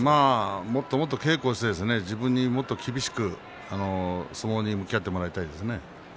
もっともっと稽古をして自分にもっと厳しく相撲に向き合ってもらいたいですね。